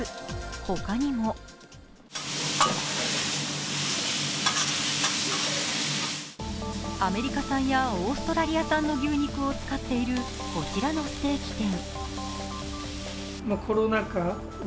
他にもアメリカ産やオーストラリア産の牛肉を使っているこちらのステーキ店。